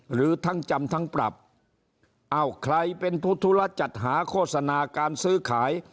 หรือทั้งจำทั้งปรับอ้าวใครเป็นผู้ธุระจัดหาโฆษณาการซื้อขาย